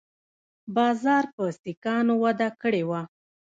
بازار په سیکانو وده کړې وه